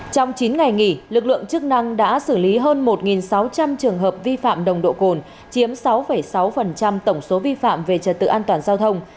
trong chín ngày nghỉ lực lượng chức năng đã xử lý hơn một sáu trăm linh trường hợp vi phạm nồng độ cồn chiếm sáu sáu tổng số vi phạm về trật tự an toàn giao thông